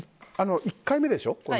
１回目でしょ。